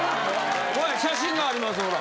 ・写真がありますほら。